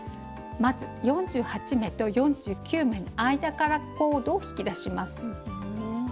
まず４８目と４９目の間からコードを引き出します。